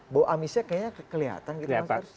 bahwa amisnya kayaknya kelihatan gitu mas ars